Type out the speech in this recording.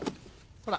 ほら。